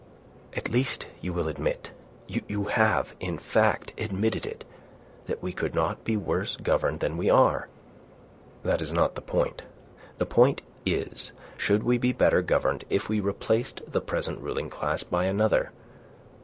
"At least you will admit you have, in fact, admitted it that we could not be worse governed than we are?" "That is not the point. The point is should we be better governed if we replaced the present ruling class by another?